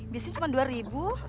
biasanya cuma dua ribu